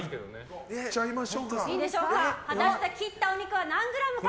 果たして切ったお肉は何グラムか。